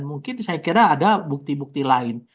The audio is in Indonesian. mungkin saya kira ada bukti bukti lain